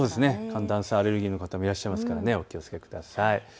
寒暖差アレルギーの方もいらっしゃいますからお気をつけください。